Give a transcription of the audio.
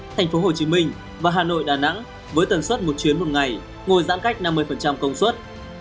thành phố hồ chí minh và hà nội đà nẵng với tần suất một chuyến một ngày ngồi giãn cách năm mươi công suất